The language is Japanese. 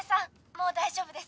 もう大丈夫です」